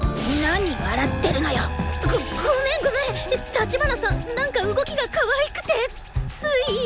立花さんなんか動きがかわいくてつい。